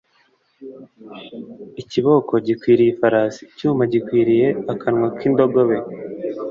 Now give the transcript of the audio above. ikiboko gikwiriye ifarasi, icyuma gikwiriye akanwa k'indogobe